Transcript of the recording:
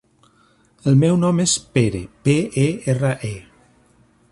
El meu nom és Pere: pe, e, erra, e.